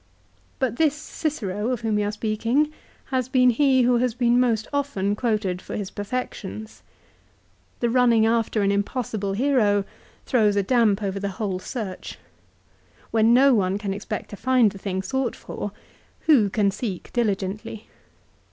But this Cicero of whom we are speaking has been he who has been most often quoted for his perfections. 1 The running after an impossible hero throws a damp over the whole search. When no one can expect to find the thing sought for who can seek diligently